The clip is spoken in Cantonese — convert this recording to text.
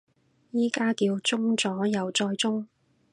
而家叫中咗右再中